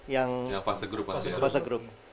yang yang fast group